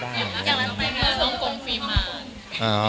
อย่างนั้นไปเมื่อสองกรมฟิล์มมา